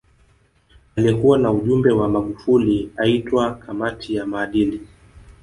Aliyekuwa na ujumbe wa Magufuli aitwa kamati ya maadili